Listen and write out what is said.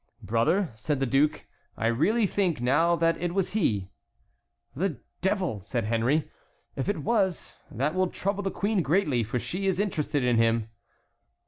"Brother," said the duke; "I really think now that it was he." "The devil!" said Henry; "if it was, that will trouble the queen greatly, for she is interested in him."